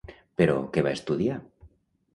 Però, què va estudiar?